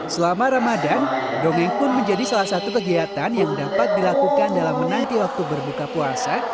selama ramadan dongeng pun menjadi salah satu kegiatan yang dapat dilakukan dalam menanti waktu berbuka puasa